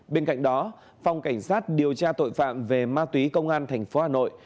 bên cạnh đó phòng cảnh sát điều tra tội phạm về ma túy công an tp hà nội